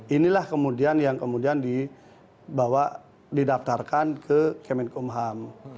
inilah kemudian yang kemudian dibawa didaftarkan ke kemenkumham